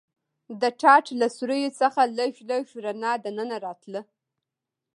د ټاټ له سوریو څخه لږ لږ رڼا دننه راتله.